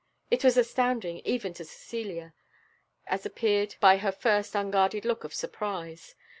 It was astounding even to Cecilia, as appeared by her first unguarded look of surprise.